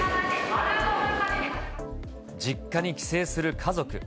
実家に帰省する家族。